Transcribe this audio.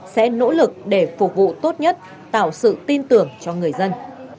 sẽ nỗ lực để phục vụ tốt nhất tạo sự tin tưởng cho người dân